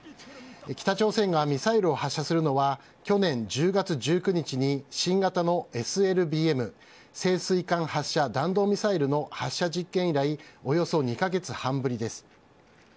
北朝鮮がミサイルを発射するのは、去年１０月１９日に新型のＳＬＢＭ・潜水艦発射弾道ミサイルの発射実験以来、およそ２か月半ぶりです。